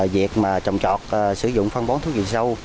việc trồng trọt sử dụng phân bón thuốc dịu sâu